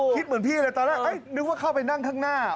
เหมือนพี่เลยตอนแรกนึกว่าเข้าไปนั่งข้างหน้า